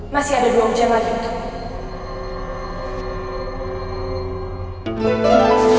masih ada dua ujian lagi untukmu